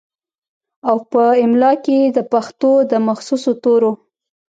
او پۀ املا کښې ئې دَپښتو دَمخصوصو تورو